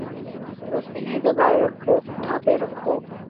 بس انہیں دبائے رکھو، ڈھانپے رکھو۔